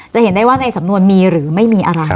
เห็นได้ว่าในสำนวนมีหรือไม่มีอะไร